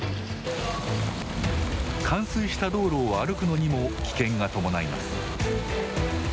冠水した道路を歩くのにも危険が伴います。